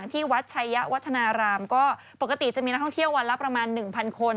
ที่วัดชายะวัฒนารามก็ปกติจะมีนักท่องเที่ยววันละประมาณ๑๐๐คน